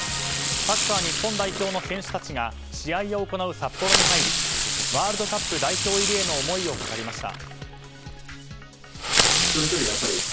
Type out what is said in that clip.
サッカー日本代表の選手たちが試合を行う札幌に入りワールドカップ代表入りへの思いを語りました。